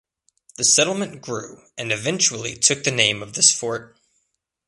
The settlement grew, and eventually took the name of this fort.